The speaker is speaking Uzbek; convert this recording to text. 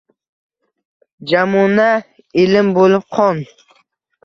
Jamuna lim bo’lib qon.